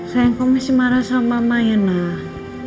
sayang kok masih marah sama mama ya nah